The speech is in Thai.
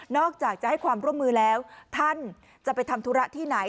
อกจากจะให้ความร่วมมือแล้วท่านจะไปทำธุระที่ไหน